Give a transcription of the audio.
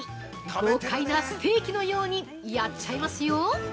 豪快なステーキのようにやっちゃいますよ◆